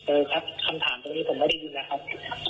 เออครับคำถามตรงนี้ผมไม่ได้ยินแล้วครับ